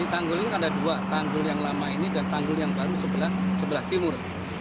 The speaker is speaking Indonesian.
tanggul ini ada dua tanggul yang lama ini dan tanggul yang baru sebelah timur